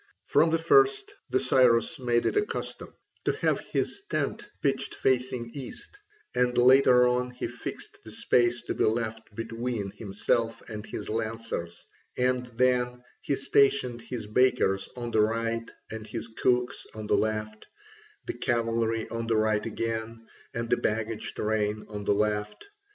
From the first the Cyrus made it a custom to have his tent pitched facing east, and later on he fixed the space to be left between himself and his lancers, and then he stationed his bakers on the right and his cooks on the left, the cavalry on the right again, and the baggage train on the left.